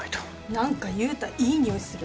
何か悠太いい匂いする。